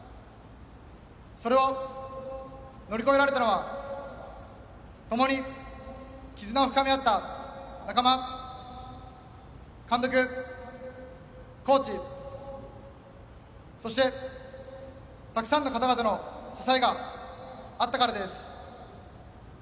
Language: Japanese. それを乗り越えられたのはともに絆を深め合った仲間監督、コーチそして、たくさんの方々の支えがあったからです。